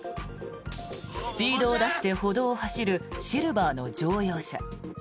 スピードを出して歩道を走るシルバーの乗用車。